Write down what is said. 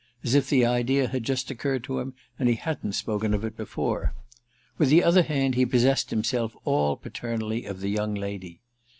as if the idea had just occurred to him and he hadn't spoken of it before. With the other hand he possessed himself all paternally of the young lady.